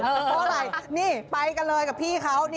เพราะอะไรนี่ไปกันเลยกับพี่เขา